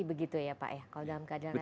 begitu ya pak ya